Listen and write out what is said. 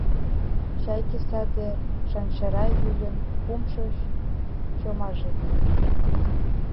Чайке саде Шанчара вӱльын кумшо чомаже лийын.